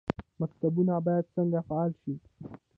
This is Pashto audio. مکتبونه باید څنګه فعال شي؟